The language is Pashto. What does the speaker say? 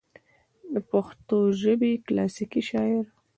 دَپښتو ژبې کلاسيکي شاعر